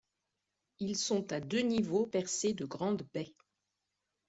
Ils sont à deux niveaux percés de grandes baies.